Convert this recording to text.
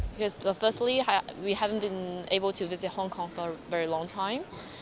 pertama sekali kami belum bisa mengunjungi hong kong selama lama